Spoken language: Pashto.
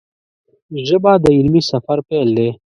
ژبه د علمي سفر پیل دی